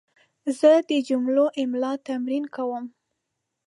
زه د جملو املا تمرین کوم.